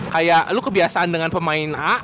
kayak lu kebiasaan dengan pemain a